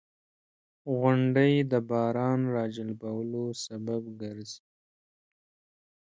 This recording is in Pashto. • غونډۍ د باران راجلبولو سبب ګرځي.